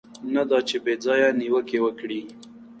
نه دا چې بې ځایه نیوکې وکړي.